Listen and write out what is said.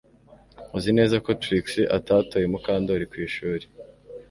Uzi neza ko Trix atatoye Mukandoli ku ishuri